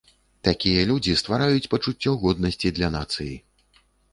Такія людзі ствараюць пачуццё годнасці для нацыі.